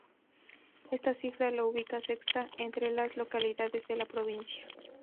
Esta cifra la ubica sexta entre las localidades de la provincia.